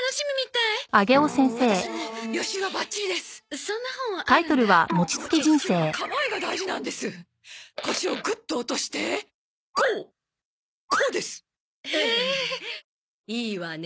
いいわね。